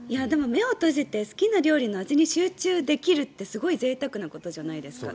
目を閉じて好きな料理の味に集中できるってすごいぜいたくなことじゃないですか。